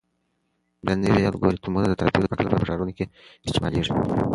دا نوي الګوریتمونه د ترافیکو د کنټرول لپاره په ښارونو کې کارول کیږي.